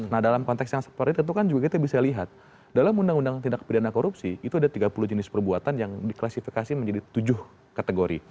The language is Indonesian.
nah dalam konteks yang seperti itu kan juga kita bisa lihat dalam undang undang tindak pidana korupsi itu ada tiga puluh jenis perbuatan yang diklasifikasi menjadi tujuh kategori